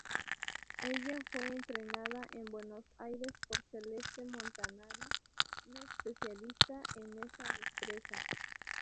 Ella fue entrenada en Buenos Aires por Celeste Montanari, una especialista en esa destreza.